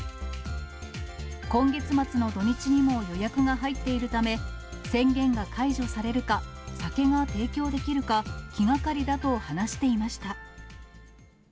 今月末の土日にも予約が入っているため、宣言が解除されるか、酒が提供できるか、気がかりだと話していました。